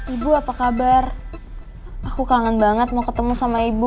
ibu apa kabar aku kangen banget mau ketemu sama ibu